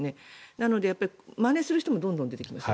なので、まねする人もどんどん出てきますね。